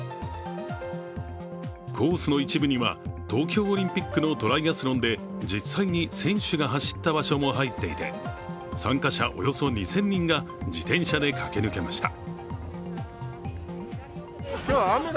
コースの一部には東京オリンピックのトライアスロンで実際に選手が走った場所も入っていて、参加者およそ２０００人が自転車で駆け抜けました。